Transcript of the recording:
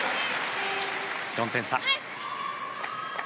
４点差。